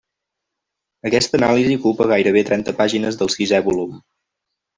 Aquesta anàlisi ocupa gairebé trenta pàgines del sisè volum.